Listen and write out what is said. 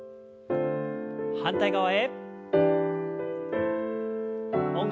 反対側へ。